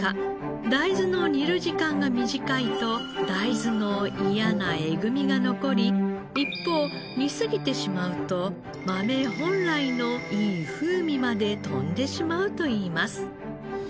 大豆の煮る時間が短いと大豆の嫌なえぐみが残り一方煮すぎてしまうと豆本来のいい風味まで飛んでしまうといいます。